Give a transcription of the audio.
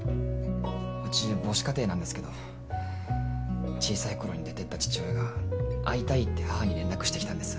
うち母子家庭なんですけど小さい頃に出て行った父親が「会いたい」って母に連絡して来たんです。